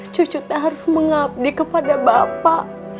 cucu tak harus mengabdi kepada bapak